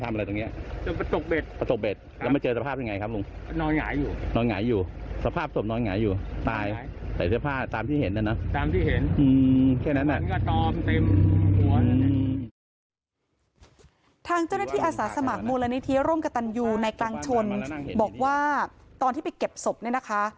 ทางเจ้าหน้าที่อาสาสมัครมูลนิธิร่มกระตันยูในกลางชนบอกว่าตอนที่ไปเก็บศพเนี่ยนะคะ